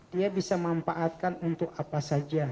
dia bisa manfaatkan untuk apa saja